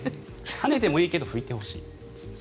はねてもいいけど拭いてほしい。